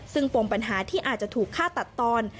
ซึ่งปมปัญหาที่อาจจะถูกฆ่าตัดตอน